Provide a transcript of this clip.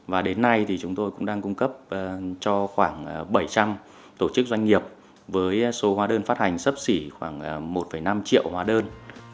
và đến nay thì chúng tôi cũng đang cung cấp cho khoảng bảy trăm linh tổ chức doanh nghiệp với số hóa đơn phát hành sấp xỉ khoảng một năm triệu hóa đơn